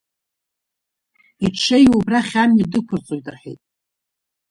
Иҽеиу убрахь амҩа дықәырҵот, — рҳәеит.